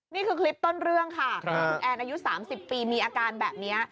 นี่คือคลิปต้นเรื่องค่ะครับกูแอ่นอายุสามสิบปีมีอาการแบบนี้